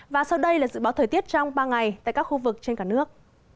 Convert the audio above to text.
và sau đây là dự báo thời tiết trong ba ngày tại các khu vực trên cả nước